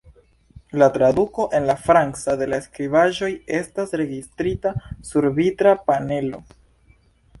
La traduko en la franca de la skribaĵoj estas registrita sur vitra panelo.